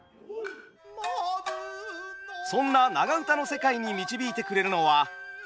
そんな長唄の世界に導いてくれるのは東音味見純さん。